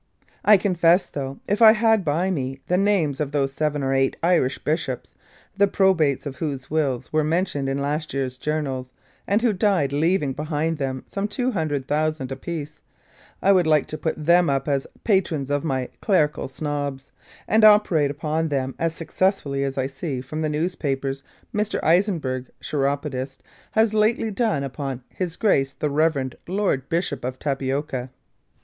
I confess, though, if I had by me the names of those seven or eight Irish bishops, the probates of whose wills were mentioned in last year's journals, and who died leaving behind them some two hundred thousand a piece I would like to put THEM up as patrons of my Clerical Snobs, and operate upon them as successfully as I see from the newspapers Mr. Eisenberg, Chiropodist, has lately done upon 'His Grace the Reverend Lord Bishop of Tapioca.'